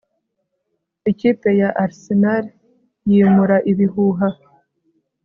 Ikipe ya Arsenal yimura ibihuha